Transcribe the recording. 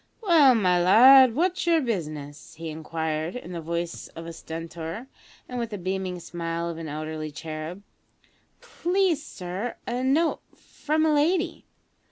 "Well, my lad, what's your business?" he inquired in the voice of a stentor, and with the beaming smile of an elderly cherub. "Please, sir, a note from a lady."